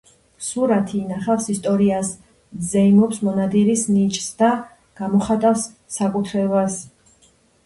სურათი ინახავს ისტორიას, ზეიმობს მონადირის ნიჭსა და გამოხატავს საკუთრებას.